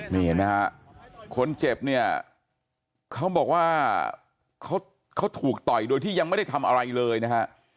นี่เห็นไหมฮะคนเจ็บเนี่ยเขาบอกว่าเขาถูกต่อยโดยที่ยังไม่ได้ทำอะไรเลยนะฮะ